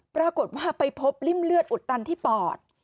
ปรากฏว่าไปพบริ่มเลือดอุดตันที่ปอด